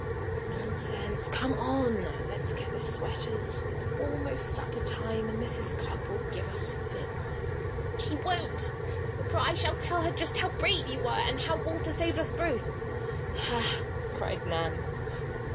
"Nonsense! Come on! Let's get the sweaters. It's almost supper time and Mrs. Cupp will give us fits." "She won't, for I shall tell her just how brave you were, and how Walter saved us both." "Ha!" cried Nan.